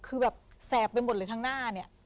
คือแบบแสบไปหมดเลยข้างหน้าเนี่ย